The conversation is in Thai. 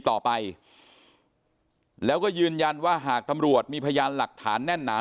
ต่อไปแล้วก็ยืนยันว่าหากตำรวจมีพยานหลักฐานแน่นหนา